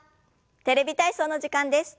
「テレビ体操」の時間です。